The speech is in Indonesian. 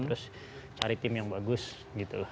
terus cari tim yang bagus gitu